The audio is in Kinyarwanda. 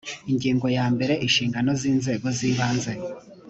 ingingo ya mbere inshingano z inzego z ibanze